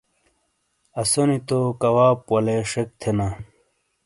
اسونی تو کواپ ولے شک تھینا۔